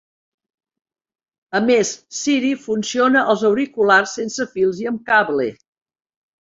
A més, Siri funciona als auriculars sense fils i amb cable.